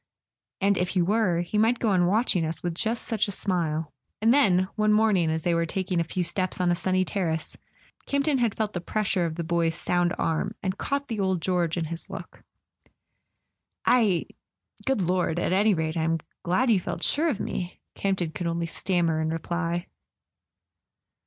"And if he were, he might go on watching us with just such a smile." And then, one morning as they were taking a few steps on a sunny terrace, Campton had felt the pres¬ sure of the boy's sound arm, and caught the old George in his look. "I ... good Lord ... at any rate I'm glad you felt sure of me," Campton could only stammer in reply.